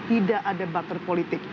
tidak ada barter politik